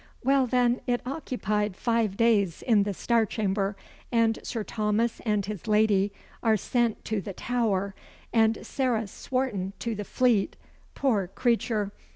Well, then, it occupied five days in the Star Chamber; and Sir Thomas and his lady are sent to the Tower, and Sarah Swarton to the Fleet. Poor creature!